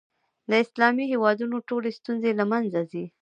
د اسلامي هېوادونو ټولې ستونزې له منځه ځي.